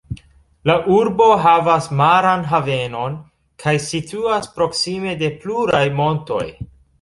La urbo havas maran havenon kaj situas proksime de pluraj montoj.